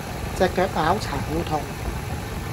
隻腳拗柴好痛